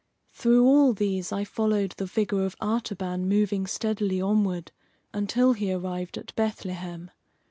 Through all these I followed the figure of Artaban moving steadily onward, until he arrived at Bethlehem.